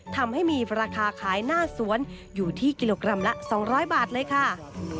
ทำให้มีราคาขายหน้าสวนอยู่ที่กิโลกรัมละ๒๐๐บาทเลยค่ะ